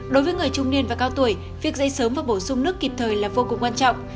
đối với người trung niên và cao tuổi việc dây sớm và bổ sung nước kịp thời là vô cùng quan trọng